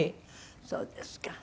そうですか。